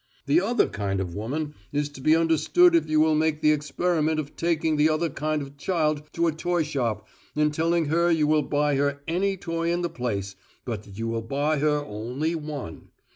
The other kind of woman is to be understood if you will make the experiment of taking the other kind of child to a toy shop and telling her you will buy her any toy in the place, but that you will buy her only one.